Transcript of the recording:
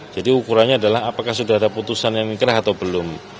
jadi ukurannya adalah apakah sudah ada putusan yang inkrah atau belum